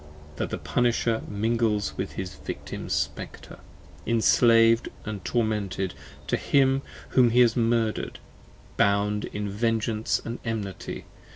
that the Punisher Mingles with his Victim's Spectre, enslaved & tormented 15 To him whom he has murder'd, bound in vengeance & enmity.